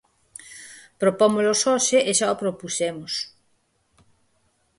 Propómolos hoxe e xa o propuxemos.